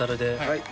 はい。